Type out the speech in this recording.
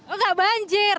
oh nggak banjir